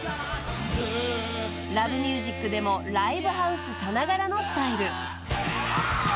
［『Ｌｏｖｅｍｕｓｉｃ』でもライブハウスさながらのスタイル］